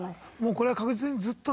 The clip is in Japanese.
これは確実にずっと。